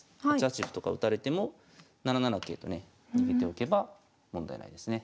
８八歩とか打たれても７七桂とね逃げておけば問題ないですね。